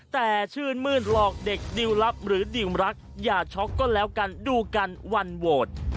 แต่ชื่นมื้นหลอกเด็กดิวลับหรือดิวรักอย่าช็อกก็แล้วกันดูกันวันโหวต